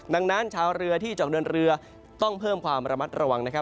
ดังนั้นชาวเรือที่จะออกเดินเรือต้องเพิ่มความระมัดระวังนะครับ